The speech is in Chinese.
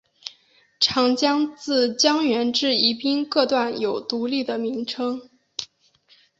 长江自江源至宜宾各段有独立的名称。